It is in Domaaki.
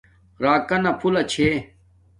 راکانا پھولہ چھے